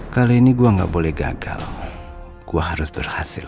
kali ini gue gak boleh gagal gue harus berhasil